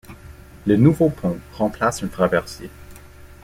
Le nouveau pont remplace un traversier.